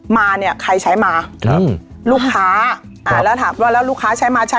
มาเนี่ยใครใช้มาครับลูกค้าอ่าแล้วถามว่าแล้วลูกค้าใช้มาใช้